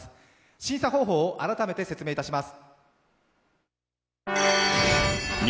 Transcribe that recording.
審査方法を改めてご説明します。